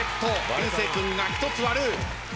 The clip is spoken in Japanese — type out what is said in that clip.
流星君が１つ割る。